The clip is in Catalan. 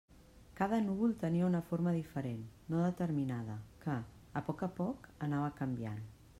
Cada núvol tenia una forma diferent, no determinada, que, a poc a poc, anava canviant.